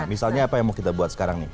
misalnya apa yang mau kita buat sekarang nih